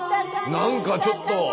なんかちょっと。